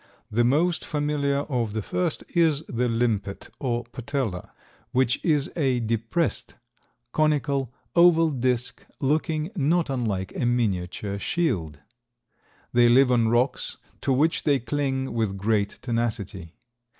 The most familiar of the first is the limpet or Patella, which is a depressed, conical, oval disk, looking not unlike a miniature shield. They live on rocks, to which they cling with great tenacity.